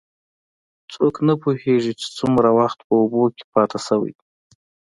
څوک نه پوهېږي، چې څومره وخت په اوبو کې پاتې شوی.